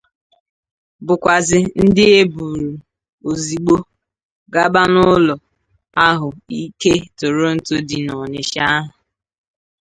bụkwazị ndị e bùrù ozigbo gaba n'ụlọ ahụ ike Toronto dị n'Ọnịtsha ahụ